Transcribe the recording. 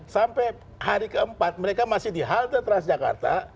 sampai hari keempat mereka masih di halte transjakarta